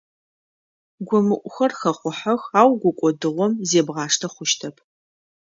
Гомыӏухэр хэхъухьэх, ау гукӏодыгъом зебгъаштэ хъущтэп.